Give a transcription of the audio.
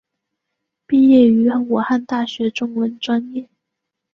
毕业于武汉大学中文专业。